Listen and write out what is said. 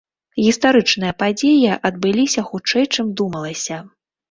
Гістарычныя падзеі адбыліся хутчэй чым думалася.